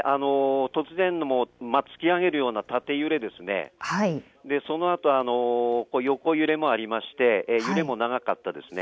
突き上げるような縦揺れがありそのあと横揺れもありまして揺れも長かったです。